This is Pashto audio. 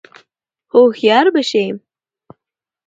هوښیار به شې !